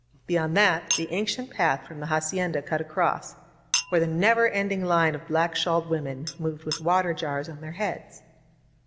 Beyond that the ancient path from the ha cienda cut across, where the never ending line of black shawled women moved with water jars on their heads.